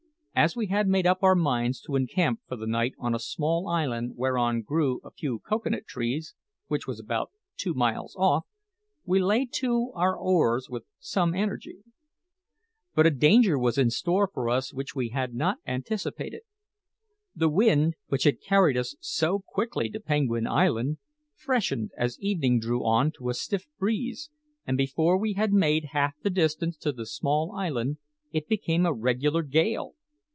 As we had made up our minds to encamp for the night on a small island whereon grew a few cocoa nut trees, which was about two miles off, we lay to our oars with some energy. But a danger was in store for us which we had not anticipated. The wind, which had carried us so quickly to Penguin Island, freshened as evening drew on to a stiff breeze, and before we had made half the distance to the small island, it became a regular gale.